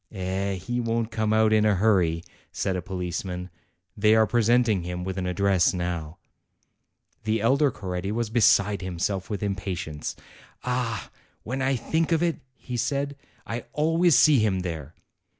"Eh, he won't come out in a hurry," said a police man; "they are presenting him with an address now." The elder Coretti was beside himself with impatience. "Ah ! when I think of it," he said, "I always see him there.